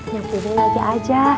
nyapu dulu lagi aja